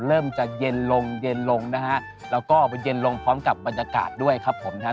เริ่มจะเย็นลงเย็นลงนะฮะแล้วก็มันเย็นลงพร้อมกับบรรยากาศด้วยครับผมนะครับ